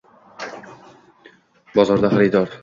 Bozorda – xaridor